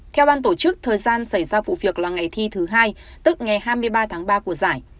theo ban tổ chức thời gian xảy ra vụ việc là ngày thi thứ hai tức ngày hai mươi ba tháng ba của giải